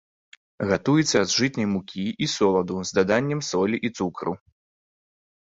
Гатуецца з жытняй мукі і соладу з даданнем солі і цукру.